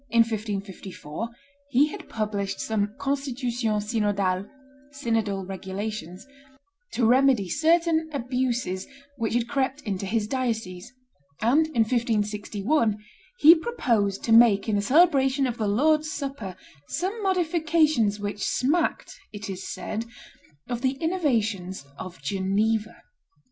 in 1554, he had published some Constitutions synodales (synodal regulations), to remedy certain abuses which had crept into his diocese, and, in 1561, he proposed to make in the celebration of the Lord's Supper some modifications which smacked, it is said, of the innovations of Geneva.